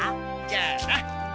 じゃあな。